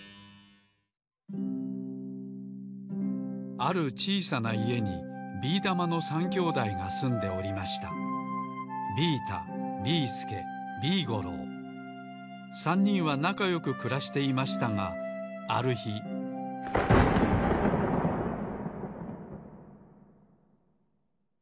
あるちいさないえにビーだまの３兄弟がすんでおりました３にんはなかよくくらしていましたがあるひゴロゴロ。